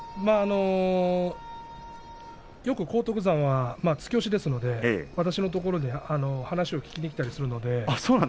よく荒篤山は突き押しですので私のところに話を聞きに来たりするので。